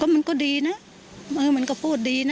มันก็ดีนะมันก็พูดดีนะ